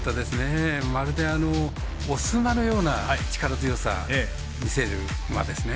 まるで雄馬のような力強さを見せる馬ですね。